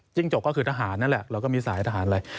จกก็คือทหารนั่นแหละเราก็มีสายทหารอะไร